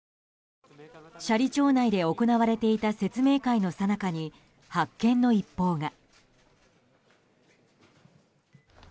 斜里町内で行われていた説明会のさなかに発見の一報が。